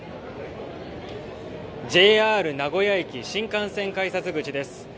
ＪＲ名古屋駅新幹線改札口です。